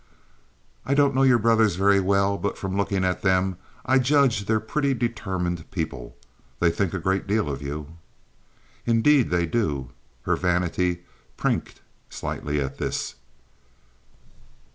"I don't know your brothers very well; but from looking at them I judge they're pretty determined people. They think a great deal of you." "Indeed, they do." Her vanity prinked slightly at this.